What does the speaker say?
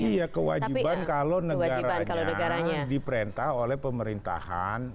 iya kewajiban kalau negaranya diperintah oleh pemerintahan